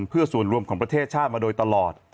เพื่อส่วนรวมของประเทศชาติมาโดยตลอด